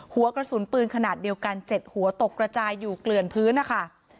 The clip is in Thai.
หัวกระสุนปืนขนาดเดียวกัน๗หัวตกกระจายอยู่เกลือนพื้นนะคะ